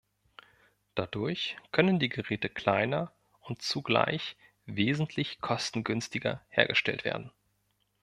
Dadurch können die Geräte kleiner und zugleich wesentlich kostengünstiger hergestellt werden.